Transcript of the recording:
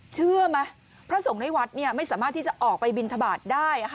เชื่อมั้ยพระส่งให้วัดเนี่ยไม่สามารถที่จะออกไปบินทบาทได้อะค่ะ